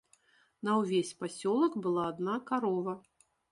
На ўвесь пасёлак была адна карова.